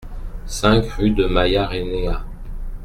cinq rue de Maillarenea